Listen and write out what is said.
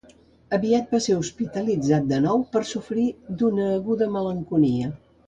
Aviat va ser hospitalitzat de nou per sofrir d'una aguda malenconia